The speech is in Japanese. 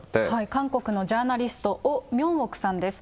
韓国のジャーナリスト、オ・ミョンオクさんです。